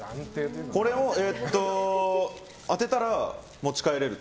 これを当てたら持ち帰れる？